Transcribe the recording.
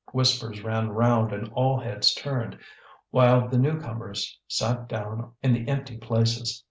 Whispers ran round and all heads turned, while the new comers sat down in the empty places.